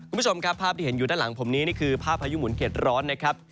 คุณผู้ชมครับภาพที่เห็นอยู่ด้านหลังผมนี้นี่คือภาพพายุหมุนเข็ดร้อนนะครับ